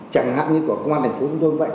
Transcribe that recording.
chẳng hạn như của công an thành phố chúng tôi vậy